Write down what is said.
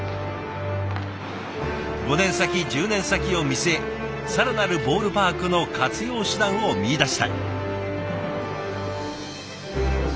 ５年先１０年先を見据え更なるボールパークの活用手段を見いだしたい。